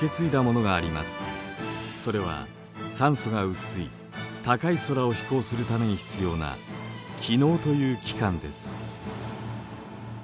それは酸素が薄い高い空を飛行するために必要な「気のう」という器官です。